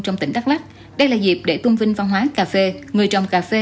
trong tỉnh đắk lắc đây là dịp để tôn vinh văn hóa cà phê người trồng cà phê